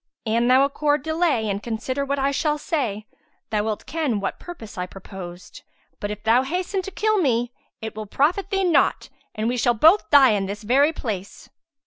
An thou accord delay and consider what I shall say, thou wilt ken what purpose I proposed; but if thou hasten to kill me it will profit thee naught and we shall both die in this very place."